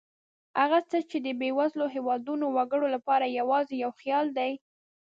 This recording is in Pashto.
هغه څه چې د بېوزلو هېوادونو وګړو لپاره یوازې یو خیال دی.